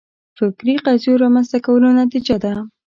فکري قضیو رامنځته کولو نتیجه ده